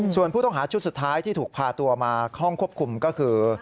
ส่วนผู้ต้องหาชุดสุดท้ายที่ถูกพาตัวมาห้องควบคุมก็คือ